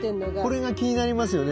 これが気になりますよね。